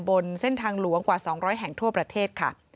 บนเส้นทางหลวงกว่า๒๐๐แห่งทั่วประเทศค่ะ